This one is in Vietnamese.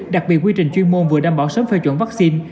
đặc biệt quy trình chuyên môn vừa đảm bảo sớm phê chuẩn vaccine